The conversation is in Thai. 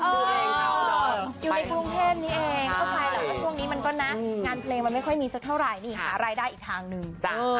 อยู่ในกรุงเทพนี้เองก็ภายหลังว่าช่วงนี้มันก็นะงานเพลงมันไม่ค่อยมีสักเท่าไหร่นี่หารายได้อีกทางหนึ่ง